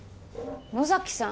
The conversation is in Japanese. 野崎さん